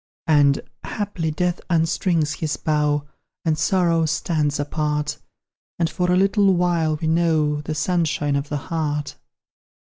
And, haply, Death unstrings his bow, And Sorrow stands apart, And, for a little while, we know The sunshine of the heart.